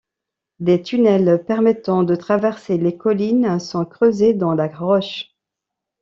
Des tunnels permettant de traverser les collines sont creusés dans la roche.